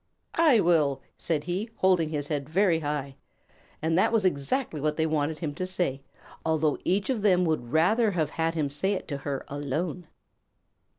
"I will," said he, holding his head very high. And that was exactly what they wanted him to say, although each of them would rather have had him say it to her alone.